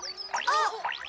あっ！